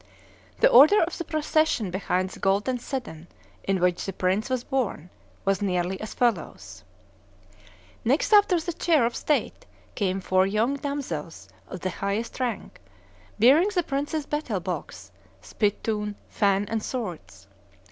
The order of the procession behind the golden sedan in which the prince was borne, was nearly as follows: Next after the chair of state came four young damsels of the highest rank, bearing the prince's betel box, spittoon, fan, and swords.